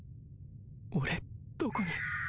俺どこに。